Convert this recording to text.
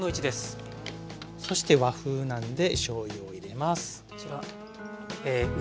そして和風なんでしょうゆを入れます。